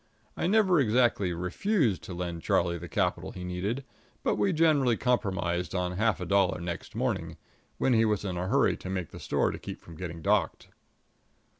I never exactly refused to lend Charlie the capital he needed, but we generally compromised on half a dollar next morning, when he was in a hurry to make the store to keep from getting docked.